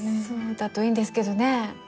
そうだといいんですけどね